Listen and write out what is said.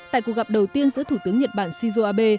tại cuộc gặp đầu tiên giữa thủ tướng nhật bản shinzo abe